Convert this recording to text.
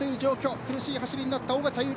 苦しい走りになった尾方唯莉。